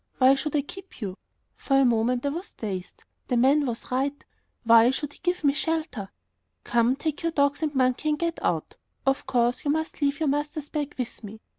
Why should I keep you?" For a moment I was dazed. The man was right. Why should he give me shelter? "Come, take your dogs and monkey and get out! Of course, you must leave your master's bag with me.